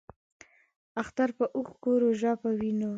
اختر پۀ اوښکو ، روژۀ پۀ وینو